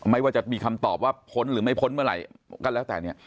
ว่าจะมีคำตอบว่าพ้นหรือไม่พ้นเมื่อไหร่ก็แล้วแต่เนี่ย